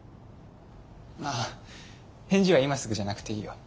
あぁ返事は今すぐじゃなくていいよ。